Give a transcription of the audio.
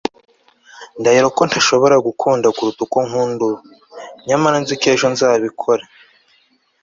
ndahiro ko ntashobora kugukunda kuruta uko nkunda ubu, nyamara nzi ko ejo nzabikora